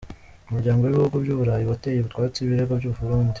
Umuryango w’Ibihugu by’Uburayi wateye utwatsi ibirego by’u Burundi.